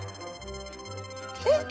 えっ？